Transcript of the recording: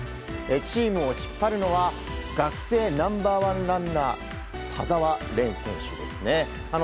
チームを引っ張るのは学生ナンバー１ランナー田澤廉選手ですね。